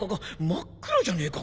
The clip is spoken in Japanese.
真っ暗じゃねえか。